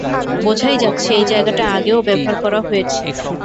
বোঝাই যাচ্ছে, এই জায়গাটা আগেও ব্যবহার করা হয়েছে।